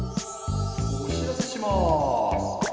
おしらせします。